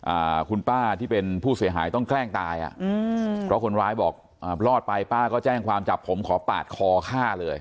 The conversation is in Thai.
อ่าคุณป้าที่เป็นผู้เสียหายต้องแกล้งตายอ่ะอืมเพราะคนร้ายบอกอ่ารอดไปป้าก็แจ้งความจับผมขอปาดคอฆ่าเลย